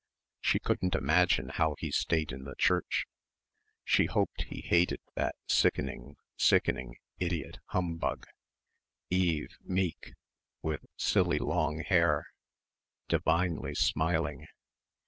She couldn't imagine how he stayed in the Church.... She hoped he hated that sickening, sickening, idiot humbug, Eve ... meek ... with silly long hair ... "divinely smiling"